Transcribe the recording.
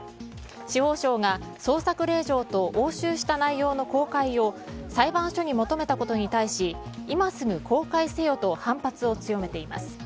司法省が捜索令状と押収した内容の公開を裁判所に求めたことに対し今すぐ公開せよと反発を強めています。